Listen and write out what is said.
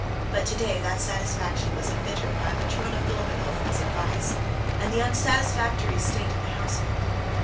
But today that satisfaction was embittered by Matrona Philimonovna's advice and the unsatisfactory state of the household.